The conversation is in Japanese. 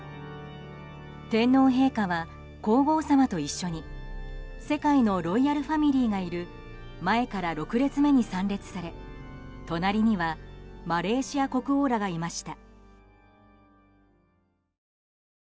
天皇陛下は皇后さまと一緒に世界のロイヤルファミリーがいる前から６列目に参列され隣にはマレーシア国王らがいました。